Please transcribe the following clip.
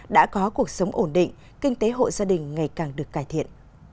đã có cuộc sống ổn định kinh tế hộ gia đình ngày càng được cải thiện